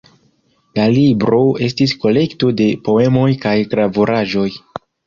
La libro estis kolekto de poemoj kaj gravuraĵoj.